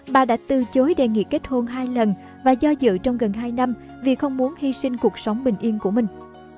bà đã từ chối đề nghị kết hôn hai lần và do dự trong gần hai năm vì không muốn hy sinh cuộc sống bình yên của mình